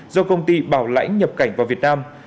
do công ty bảo lãnh nhập cảnh vào việt nam